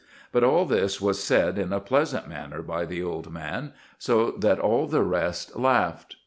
But all this was said in a pleasant manner by the old man, so that all the rest laughed.